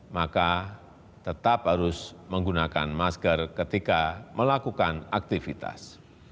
maka tetap harus menggunakan masker ketika melakukan aktivitas